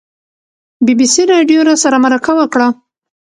بي بي سي راډیو راسره مرکه وکړه.